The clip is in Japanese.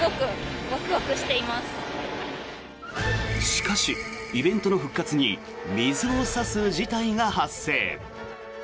しかしイベントの復活に水を差す事態が発生。